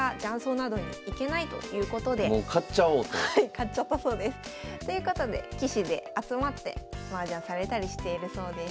買っちゃったそうです。ということで棋士で集まってマージャンされたりしているそうです。